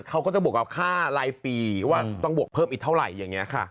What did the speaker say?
เขาก็จะบวกกับค่ารายปีว่าต้องบวกเพิ่มอีกเท่าไหร่อย่างนี้ค่ะ